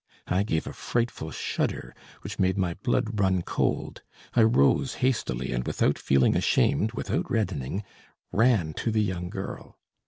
I gave a frightful shudder, which made my blood run cold. I rose hastily, and, without feeling ashamed, without reddening, ran to the young girl.